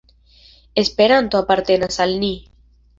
Esperanto apartenas al ni.